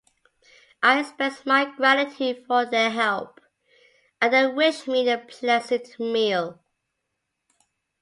I express my gratitude for their help, and they wish me a pleasant meal.